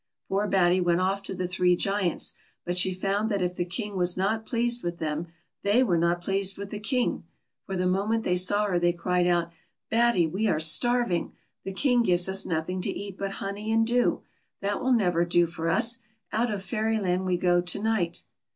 Poor Batty went off to the three Giants, but she found that if the King was not pleased with them, they were not pleased with the King; for the moment they saw her they cried out, " Batty, we are starving. The King gives us nothing to eat but honey and dew. That will never do for us ; out of Fairyland we go to night."